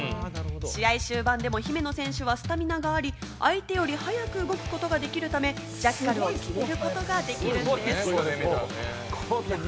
試合終盤でも姫野選手はスタミナがあり、相手より早く動くことができるため、ジャッカルを決めることができるんです。